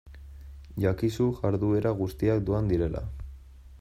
Jakizu jarduera guztiak doan direla.